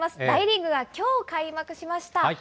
大リーグがきょう、開幕しました。